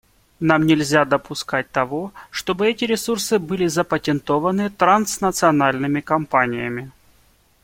Нам нельзя допускать того, чтобы эти ресурсы были запатентованы транснациональными компаниями.